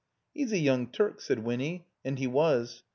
"He's a yotmg Ttu k," said Winny, and he was.